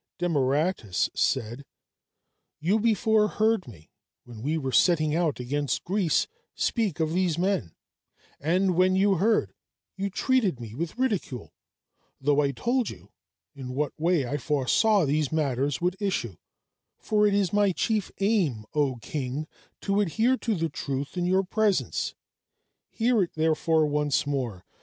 Demaratus said: "You before heard me when we were setting out against Greece, speak of these men, and when you heard, you treated me with ridicule though I told you in what way I foresaw these matters would issue; for it is my chief aim, O king, to adhere to the truth in your presence; hear it, therefore, once more.